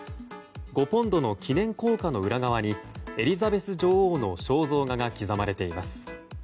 ５ポンドの記念硬貨の裏側にエリザベス女王の肖像画が刻まれています。